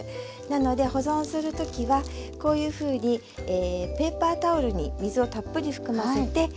なので保存する時はこういうふうにペーパータオルに水をたっぷり含ませてれんこんを包む。